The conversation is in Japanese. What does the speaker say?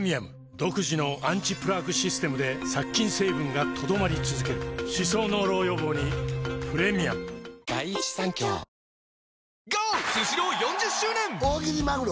独自のアンチプラークシステムで殺菌成分が留まり続ける歯槽膿漏予防にプレミアム海鮮丼マシマシで！